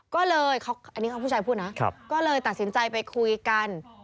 ก็เลยอันนี้เขาผู้ชายพูดนะก็เลยตัดสินใจไปคุยกัน